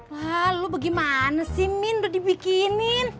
pak lo bagaimana sih min udah dibikinin